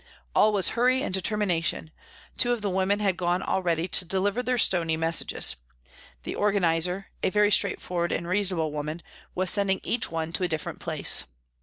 All was hurry and deter mination. Two of the women had gone already to deliver their stony messages. The organiser, a very straightforward and reasonable woman, was sending each one to a different place.